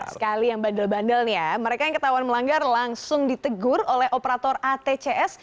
sekali yang bandel bandel nih ya mereka yang ketahuan melanggar langsung ditegur oleh operator atcs